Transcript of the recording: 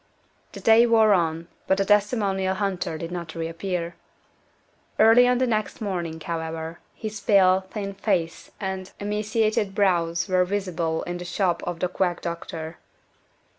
The day wore on, but the testimonial hunter did not reappear. Early on the next morning, however, his pale, thin face and emaciated brows were visible in the shop of the quack doctor.